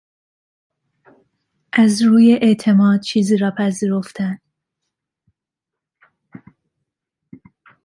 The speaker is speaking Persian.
از روی اعتماد چیزی را پذیرفتن